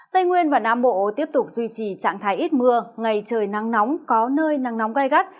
tây nguyên và nam bộ tiếp tục duy trì trạng thái ít mưa ngày trời nắng nóng có nơi nắng nóng gai gắt